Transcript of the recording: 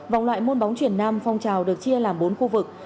vòng loại môn bóng chuyển nam phong trào được chia làm bốn khu vực